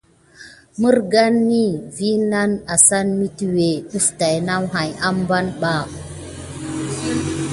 Məzgaw nane matagərgəw gay va métuwé dəga adəf əsva naw muwslya.